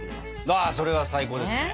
わそれは最高ですね。